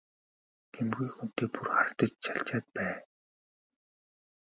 Гэмгүй хүнтэй бүү хардаж чалчаад бай!